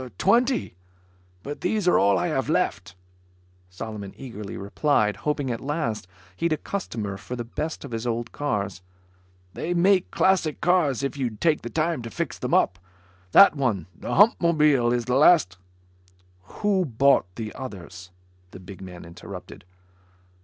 "Twenty; but these are all I have left," Solomon eagerly replied, hoping at last he'd a customer for the best of his old cars. "They make classic cars, if you'd take the time to fix them up. That one, the Hupmobile, is the last " "Who bought the others?" the big man interrupted.